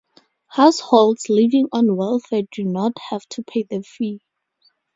Households living on welfare do not have to pay the fee.